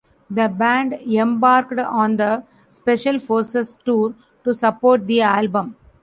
The band embarked on the Special Forces Tour to support the album.